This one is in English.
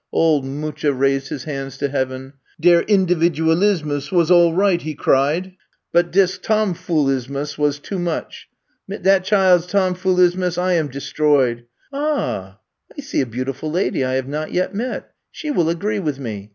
Old Mucha raised his hands to heaven. *' Der individualismus was all right, '' he cried, but dis tomfoolismus was too much. Mit dat child's tomfoolismus I am de stroyed. Ah, I see a beautiful lady I have not yet met. She will agree with me.